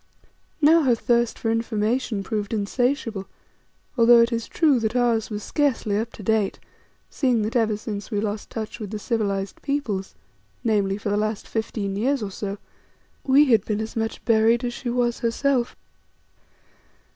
Now her thirst for information proved insatiable, although it is true that ours was scarcely up to date, seeing that ever since we lost touch with the civilized peoples, namely, for the last fifteen years or so, we had been as much buried as she was herself.